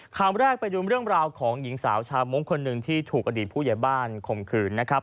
คำแรกไปดูเรื่องราวของหญิงสาวชาวมุ้งคนหนึ่งที่ถูกอดีตผู้ใหญ่บ้านข่มขืนนะครับ